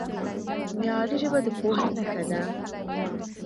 معیاري ژبه د پوهې نښه ده.